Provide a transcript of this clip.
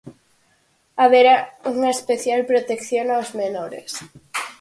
Haberá unha especial protección aos menores.